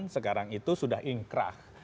sekarang itu sudah inkrah